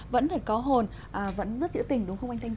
vẫn có hồn vẫn rất dữ tình